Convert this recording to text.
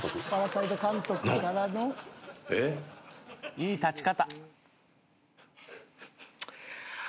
「いい立ち方」